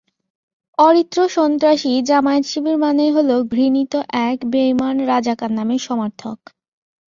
অরিত্রসন্ত্রাসী জামায়াত শিবির মানেই হলো ঘৃণিত এক বেইমান রাজাকার নামের সমার্থক।